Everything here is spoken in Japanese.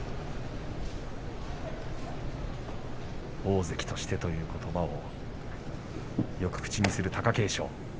大関としてということばをよく口にする貴景勝。